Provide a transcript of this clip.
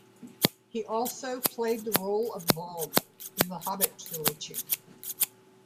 He also played the role of Bolg in the Hobbit trilogy.